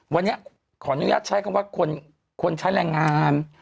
วันนี้ขออนุญาตใช้คำว่าคนใช้แรงงาน